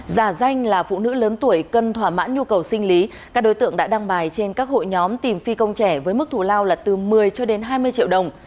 giả danh là phụ nữ lớn tuổi cần thỏa mãn nhu cầu sinh lý các đối tượng đã đăng bài trên các hội nhóm tìm phi công trẻ với mức thù lao là từ một mươi cho đến hai mươi triệu đồng